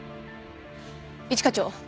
一課長。